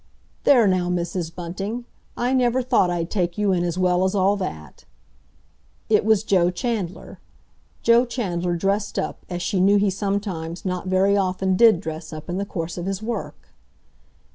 "There now, Mrs. Bunting! I never thought I'd take you in as well as all that!" It was Joe Chandler—Joe Chandler dressed up, as she knew he sometimes, not very often, did dress up in the course of his work.